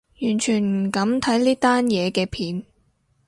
完全唔敢睇呢單嘢嘅片